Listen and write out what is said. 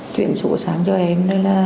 chuyển sổ sáng cho em